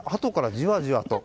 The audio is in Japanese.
じわじわと。